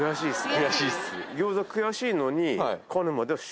悔しいっす。